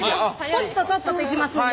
とっととっとと行きますんで！